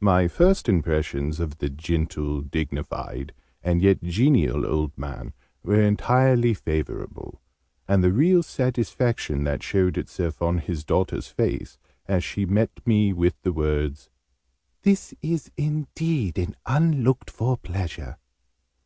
My first impressions of the gentle, dignified, and yet genial old man were entirely favourable: and the real satisfaction that showed itself on his daughter's face, as she met me with the words "this is indeed an unlooked for pleasure!"